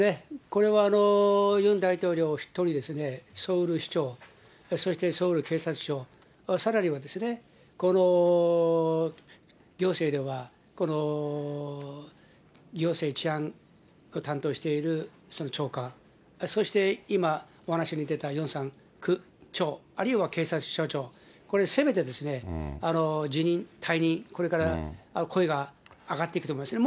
これはユン大統領筆頭にソウル市長、そしてソウル警察庁、さらには、この行政では、この行政治安を担当している長官、そして今、お話に出た長、警察署長、これ、せめて辞任、退任、これから声が上がっていくと思います。